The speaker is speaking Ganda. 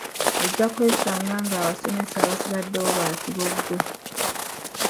Ojja kwesanga ng'abasomesa abasigaddewo ba kiboggwe.